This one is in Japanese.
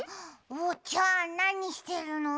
おうちゃんなにしてるの？